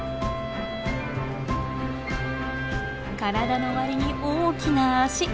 体の割に大きな足。